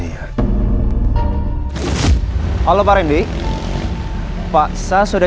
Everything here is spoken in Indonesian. iya gak pernah